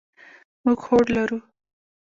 موږ هوډ لرو.